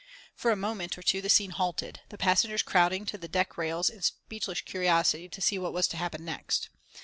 For a moment or two the scene halted, the passengers crowding to the deckrails in speechless curiosity to see what was to happen next.